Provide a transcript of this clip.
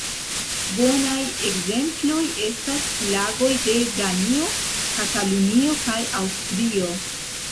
Bonaj ekzemploj estas flagoj de Danio, Katalunio kaj Aŭstrio.